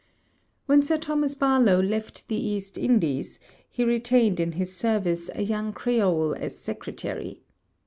When Sir Thomas Barlowe left the East Indies, he retained in his service a young Creole as secretary.